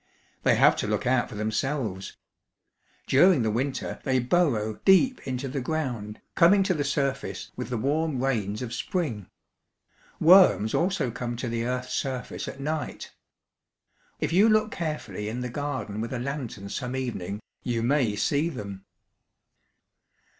They have to look out for themselves. During the winter they burrow deep into the ground, coming to the surface with the warm rains of spring. Worms also come to the earth's surface at night. If you look carefully in the garden with a lantern some evening, you may see them."